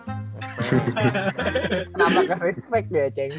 kenapa gak respect deh ya ceng